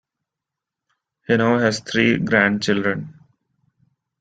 He now has three grandchildren.